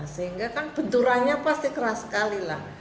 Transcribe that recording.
sehingga kan benturannya pasti keras sekali lah